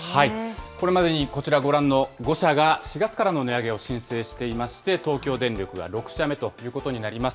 これまでにこちら、ご覧の５社が４月からの値上げを申請していまして、東京電力は６社目ということになります。